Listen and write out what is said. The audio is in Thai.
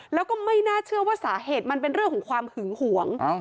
แล้วก็ไม่น่าเชื่อว่าสาเหตุมันเป็นเรื่องของความหึงหวง